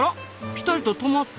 ピタリと止まった！